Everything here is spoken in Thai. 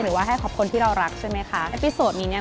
หรือว่าให้ขอบคนนี้ที่เรารักใช่ไหมคะ